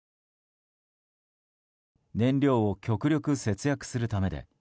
燃料を極力節約するためで